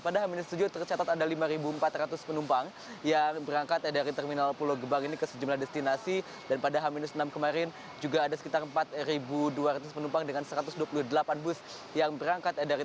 pada h tujuh tercatat ada lima empat ratus penumpang yang berangkat dari terminal pulau gebang ini ke sejumlah destinasi dan pada h enam kemarin juga ada sekitar empat dua ratus penumpang dengan satu ratus dua puluh delapan bus yang berangkat